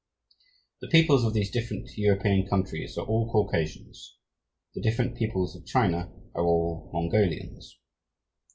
The peoples of these different European countries are all Caucasians; the different peoples of China are all Mongolians.